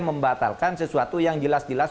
membatalkan sesuatu yang jelas jelas